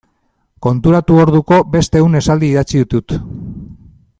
Konturatu orduko beste ehun esaldi idatzi ditut.